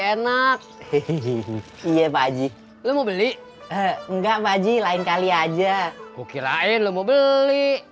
enak hehehe iya baji lu mau beli enggak baji lain kali aja kukirain lu mau beli